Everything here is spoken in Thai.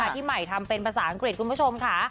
ที่ใหม่ทำเป็นภาษาอังกฤษคุณผู้ชมค่ะ